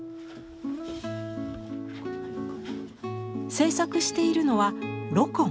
制作しているのはロコン。